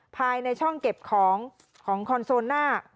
ภายในช่องเก็บของของคอนโซลหน้า